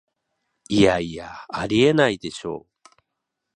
いやいや、ありえないでしょ